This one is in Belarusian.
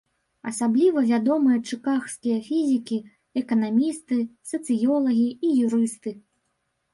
Асабліва вядомыя чыкагскія фізікі, эканамісты, сацыёлагі і юрысты.